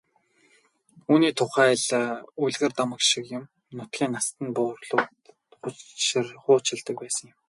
Үүний тухай л үлгэр домог шиг юм нутгийн настан буурлууд хуучилдаг байсан юм.